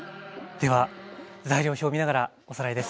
では材料表を見ながらおさらいです。